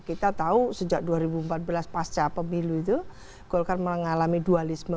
kita tahu sejak dua ribu empat belas pasca pemilu itu golkar mengalami dualisme